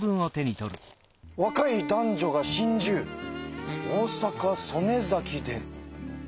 「若い男女が心中大阪・曽根崎で」。